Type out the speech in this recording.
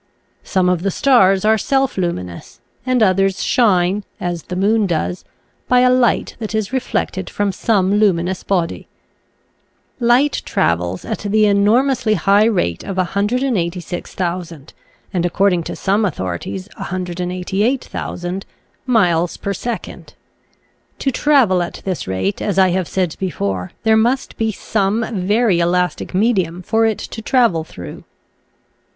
Some of the stars are self luminous, and others shine, as the moon does, by a light that is reflected from some luminous body Light travels at the enormously high rate of 186,000 — and according to some authorities 188,000 — miles per second. To travel at this rate, as I have said before, there must be some very elastic medium for it to travel through.